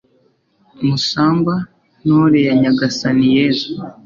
musangwa ntore ya nyagasani yezu